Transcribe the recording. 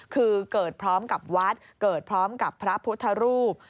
คือเกิดพร้อมกับวัดเกิดพร้อมกับพระพุทธรูป